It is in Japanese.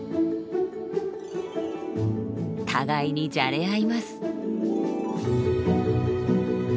互いにじゃれ合います。